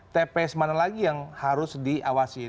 tps mana lagi yang harus diawasi